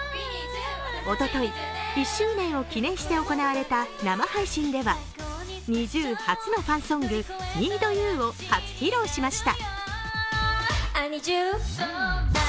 おととい１周年を記念して行われた生配信ではＮｉｚｉＵ初のファンソング「ＮｅｅｄＵ」を初披露しました。